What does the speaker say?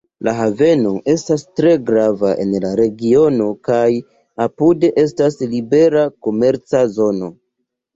La haveno estas tre grava en la regiono kaj apude estas libera komerca zono.